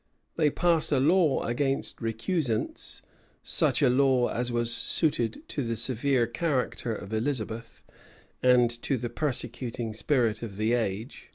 They passed a law against recusants; such a law as was suited to the severe character of Elizabeth, and to the persecuting spirit of the age.